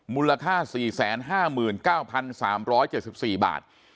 มูลค่า๔๕๙๓๗๔บาท